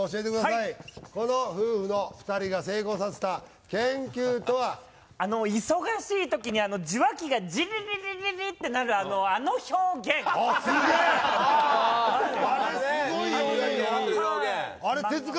はいこの夫婦の２人が成功させた研究とはあの忙しい時に受話器がジリリリリリってなるあの表現すげえあれすごい表現ジリリリリリ